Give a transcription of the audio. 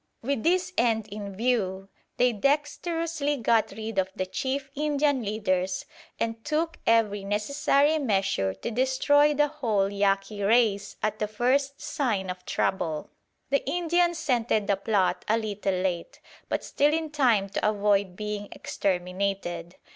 With this end in view, they dexterously got rid of the chief Indian leaders and took every necessary measure to destroy the whole Yaqui race at the first sign of trouble. The Indians scented the plot a little late, but still in time to avoid being exterminated.